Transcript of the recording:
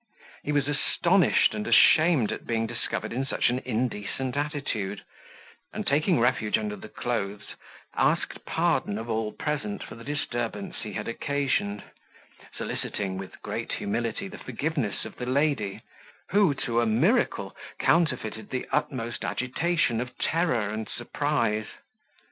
He was astonished and ashamed at being discovered in such an indecent attitude; and, taking refuge under the clothes, asked pardon of all present for the disturbance he had occasioned; soliciting, with great humility, the forgiveness of the lady, who, to a miracle, counterfeited the utmost agitation of terror and surprise.